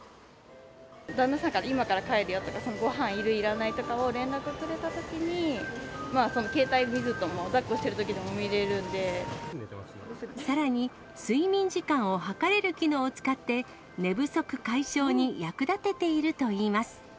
旦那さんから、今から帰るよとか、ごはんいるいらないとかを連絡くれたときに、携帯見ずとも、さらに、睡眠時間を測れる機能を使って、寝不足解消に役立てているといいます。